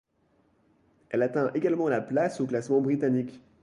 Elle atteint également la place au classement britannique.